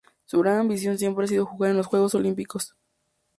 Su gran ambición siempre ha sido jugar en los Juegos Olímpicos.